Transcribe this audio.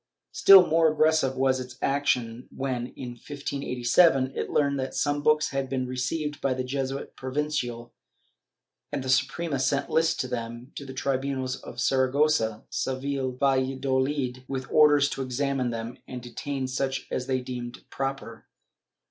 Still more aggressive was its action when, in 1587, it learned that some books had been received by the Jesuit Provincial, and the Suprema sent lists of them to the tribunals of Saragossa, Seville and ValladoHd, with orders to examine them and detain such as they deemed proper.